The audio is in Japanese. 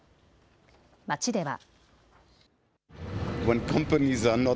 街では。